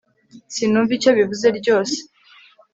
sinumva icyo bivuze ryose